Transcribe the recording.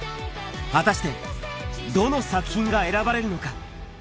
果たして、どの作品が選ばれるのか。